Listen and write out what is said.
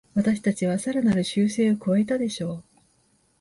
私たちはさらなる修正を加えたでしょう